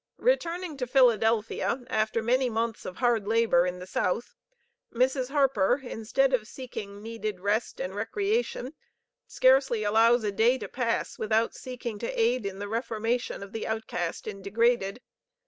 Returning to Philadelphia after many months of hard labor in the South, Mrs. Harper, instead of seeking needed rest and recreation, scarcely allows a day to pass without seeking to aid in the reformation of the outcast and degraded.